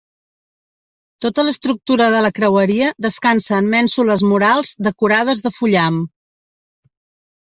Tota l'estructura de la creueria descansa en mènsules murals decorades de fullam.